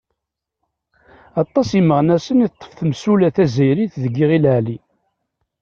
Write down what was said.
Aṭas imeɣnasen i teṭṭef temsulta tazzayrit deg Iɣil Ɛli.